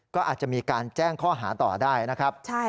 ก็อาจจะมีการแจ้งข้อหาต่อได้นะครับ